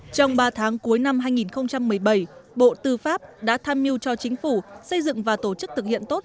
trong ba tháng cuối năm hai nghìn một mươi bảy bộ tư pháp đã tham mưu cho chính phủ xây dựng và tổ chức thực hiện tốt